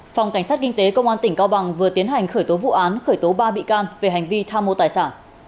phòng cảnh sát kinh tế công an tỉnh cao bằng vừa tiến hành khởi tố vụ án khởi tố ba bị can về hành vi tham mô tài sản